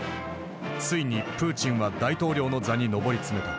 ついにプーチンは大統領の座に上り詰めた。